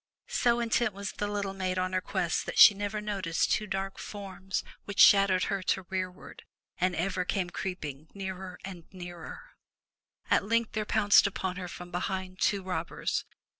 So intent was the little maiden on her quest that she never noticed two dark forms, which shadowed her to rearward, and ever came creeping nearer, nearer. At length there pounced upon her from behind two robbers.